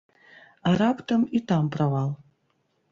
А раптам і там правал?